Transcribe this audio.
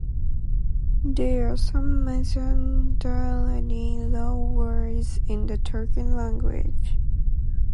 There are some Mazanderani loanwords in the Turkmen language.